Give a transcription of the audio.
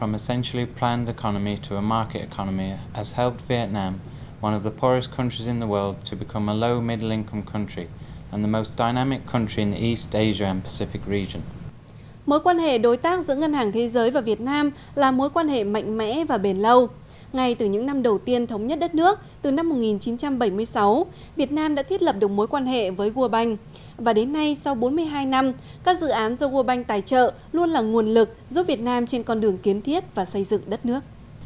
mối quan hệ đối tác giữa ngân hàng thế giới và việt nam là mối quan hệ mạnh mẽ và bền lâu ngay từ những năm đầu tiên thống nhất đất nước từ năm một nghìn chín trăm bảy mươi sáu việt nam đã thiết lập được mối quan hệ với world bank và đến nay sau bốn mươi hai năm các dự án do world bank tài trợ luôn là nguồn lực giúp việt nam trên con đường kiến thiết và xây dựng đất nước